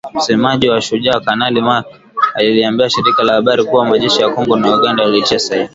Msemaji wa Shujaa, Kanali Mak Hazukay aliliambia shirika la habari kuwa majeshi ya Kongo na Uganda yalitia saini.